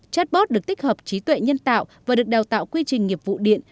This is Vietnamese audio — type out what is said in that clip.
chatbot được tích hợp trí tuệ nhân tạo và được đào tạo quy trình nghiệp vụ điện